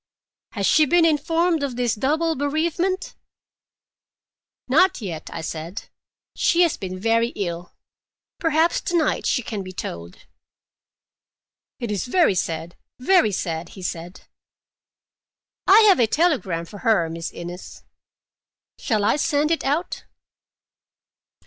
"Has she been informed of this—double bereavement?" "Not yet," I said. "She has been very ill; perhaps to night she can be told." "It is very sad; very sad," he said. "I have a telegram for her, Mrs. Innes. Shall I send it out?"